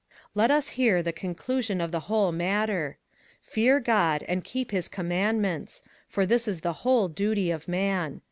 21:012:013 Let us hear the conclusion of the whole matter: Fear God, and keep his commandments: for this is the whole duty of man.